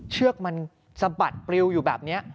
เชือกมันสะบัดปริวอยู่แบบนี้